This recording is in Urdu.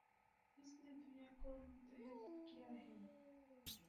اس نے دنیا کو متحد کیا ہے